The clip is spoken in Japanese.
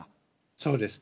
そうです。